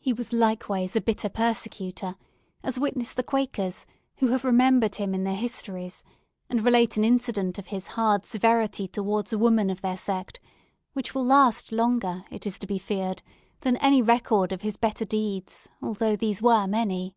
He was likewise a bitter persecutor; as witness the Quakers, who have remembered him in their histories, and relate an incident of his hard severity towards a woman of their sect, which will last longer, it is to be feared, than any record of his better deeds, although these were many.